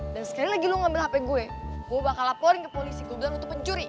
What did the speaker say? dan sekali lagi lo ngambil hp gue gue bakal laporin ke polisi gue bilang untuk pencuri